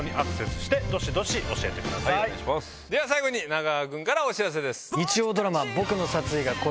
最後に中川君からお知らせです。